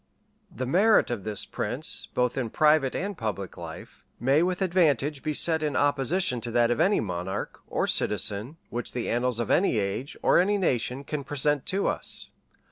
] The merit of this prince, both in private and public life, may with advantage be set in opposition to that of any monarch, or citizen, which the annals of any age, or any nation, can present to us.